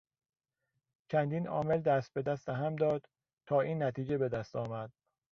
چندین عامل دست به دست هم داد تا این نتیجه به دست آمد.